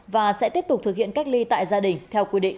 và sẽ tiếp tục thực hiện cách ly tại gia đình theo quy định